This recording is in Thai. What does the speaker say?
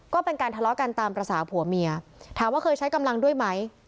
ก็เป็นการทะเลาะกันตามภาษาผัวเมียถามว่าเคยใช้กำลังด้วยไหม